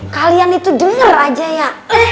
kalian itu dengar aja ya